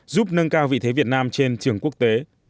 giúp nâng cao vị thế việt nam trên trường quốc tế